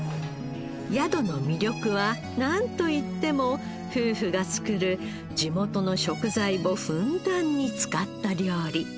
宿の魅力はなんといっても夫婦が作る地元の食材をふんだんに使った料理